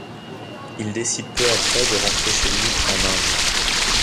Il décide peu après de rentrer chez lui, en Inde.